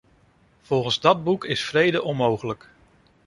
Volgens dat boek is vrede onmogelijk.